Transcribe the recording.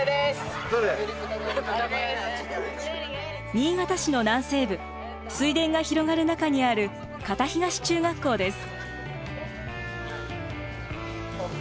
新潟市の南西部水田が広がる中にある潟東中学校です。